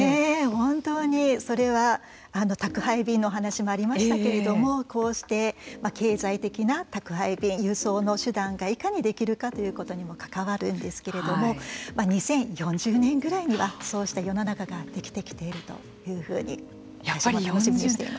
本当にそれは宅配便の話もありましたけれどもこうして経済的な宅配便輸送の手段がいかにできるかということにも関わるんですけれども２０４０年ぐらいにはそうした世の中ができてきているというふうに私も楽しみにしています。